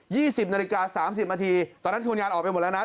สิบนาฬิกาสามสิบนาทีตอนนั้นคนงานออกไปหมดแล้วนะ